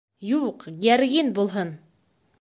— Юҡ, георгин булһын!